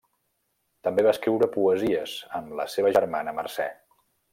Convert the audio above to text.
També va escriure poesies, amb la seva germana Mercè.